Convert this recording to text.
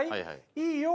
「いいよ